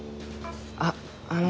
あっあの。